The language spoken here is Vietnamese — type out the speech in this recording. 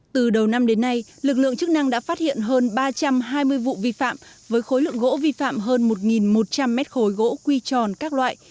từ đầu năm đến nay lực lượng chức năng đã phát hiện hơn ba trăm hai mươi vụ vi phạm với khối lượng gỗ vi phạm hơn một một trăm linh mét khối gỗ quy tròn các loại